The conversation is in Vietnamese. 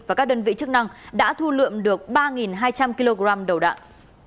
và các đơn vị chức năng đã thu lượm được ba hai trăm linh kg đầu đạn